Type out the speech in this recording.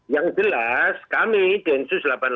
yang jelas kami densus delapan puluh delapan